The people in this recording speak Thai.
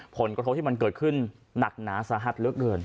ผลกระทบที่มันเกิดขึ้นหนักหนาสาหัสเหลือเกิน